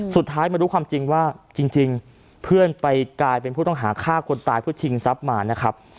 สุดท้ายมารู้ความจริงว่าจริงเพื่อนไปกลายเป็นผู้ต้องหาฆ่าคนตายเพื่อชิงทรัพย์มานะครับ